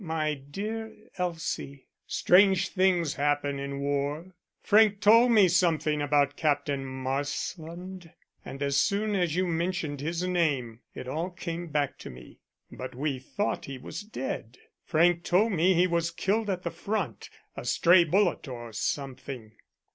"My dear Elsie, strange things happen in war. Frank told me something about Captain Marsland, and as soon as you mentioned his name it all came back to me. But we thought he was dead. Frank told me he was killed at the front a stray bullet or something."